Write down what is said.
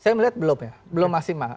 saya melihat belum ya belum maksimal